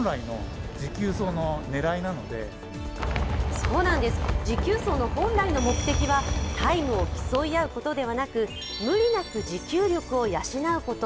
そうなんです、持久走の本来の目的はタイムを競い合うことではなく、無理なく持久力を養うこと。